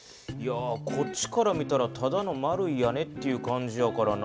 こっちから見たらただの丸い屋根っていう感じやからなぁ。